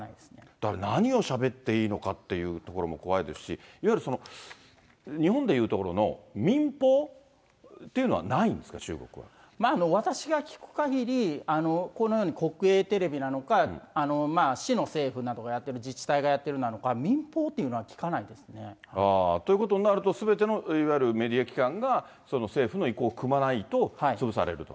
だから何をしゃべっていいのかっていうところも怖いですし、いわゆる日本でいうところの民放っていうのはないんですか、中国私が聞くかぎり、このように国営テレビなのか、市の政府などがやってる、自治体がやってるとか、民放っていうのということになると、すべてのいわゆるメディア機関が政府の意向をくまないと潰されると。